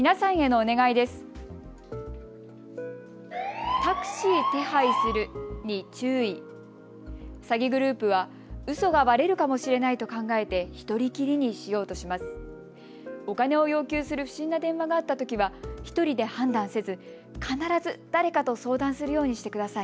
お金を要求する不審な電話があったときは１人で判断せず必ず誰かと相談するようにしてください。